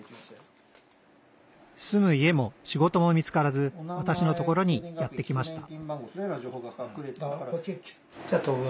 住む家も仕事も見つからずわたしのところにやって来ました